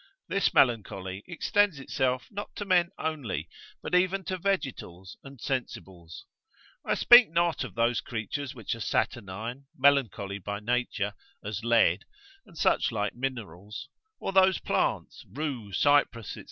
This melancholy extends itself not to men only, but even to vegetals and sensibles. I speak not of those creatures which are saturnine, melancholy by nature, as lead, and such like minerals, or those plants, rue, cypress, &c.